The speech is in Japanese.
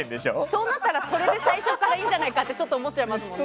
そうなったらそれで最初からいいじゃないかって思いますよね。